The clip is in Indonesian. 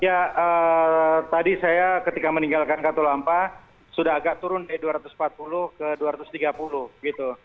ya tadi saya ketika meninggalkan katulampa sudah agak turun dari dua ratus empat puluh ke dua ratus tiga puluh gitu